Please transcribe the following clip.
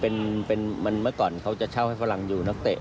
มันเมื่อก่อนเขาจะเช่าให้ฝรั่งอยู่นักเตะ